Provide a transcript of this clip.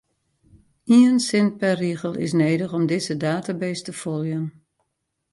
Ien sin per rigel is nedich om dizze database te foljen.